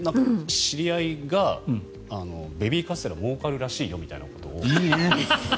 知り合いがベビーカステラもうかるらしいよみたいなことを。